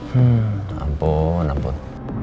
hmm ampun ampun